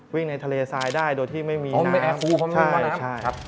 วิ่งในทะเลซ้ายได้โดยที่ไม่มีน้ำ